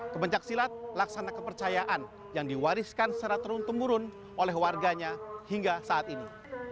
kepencaksilat laksana kepercayaan yang diwariskan secara teruntung murun oleh warganya hingga saat ini